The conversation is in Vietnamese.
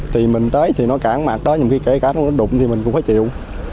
thì mình tới thì nó cản mặt đó nhiều khi kể cả nó đụng thì mình cũng phải chịu